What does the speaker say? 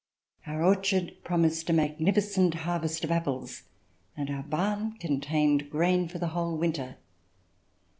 Our orchard promised a magnificent harvest of apples, and our barn contained grain for the whole winter.